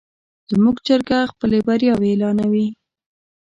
زموږ چرګه خپلې بریاوې اعلانوي.